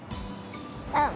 うん。